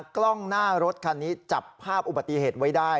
กล้องหน้ารถคันนี้จับภาพอุบัติเหตุไว้ได้